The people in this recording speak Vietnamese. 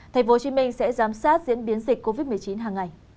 tp hcm sẽ giám sát diễn biến dịch covid một mươi chín hàng ngày